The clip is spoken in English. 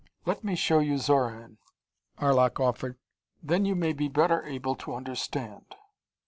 "Let me show you Xoran," Arlok offered. "Then you may be better able to understand."